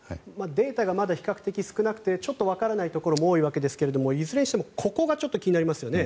データがまだ比較的少なくてちょっとわからないところも多いわけですがいずれにしてもここが気になりますよね。